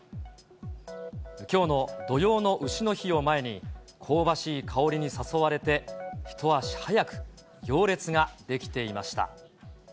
きょうの土用のうしの日を前に、香ばしい香りに誘われて、一足早く、行列が出来ていました。